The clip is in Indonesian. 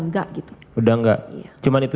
enggak gitu udah enggak iya cuma itu